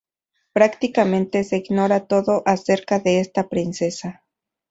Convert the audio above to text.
Prácticamente se ignora todo acerca de esta princesa.